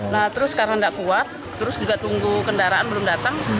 nah terus karena tidak kuat terus juga tunggu kendaraan belum datang